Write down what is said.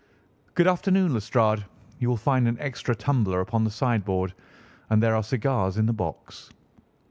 Good afternoon, Lestrade! You will find an extra tumbler upon the sideboard, and there are cigars in the box."